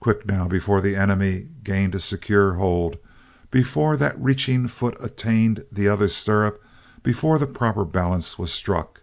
Quick, now, before the Enemy gained a secure hold, before that reaching foot attained the other stirrup, before the proper balance was struck!